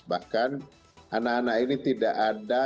bahkan anak anak ini tidak ada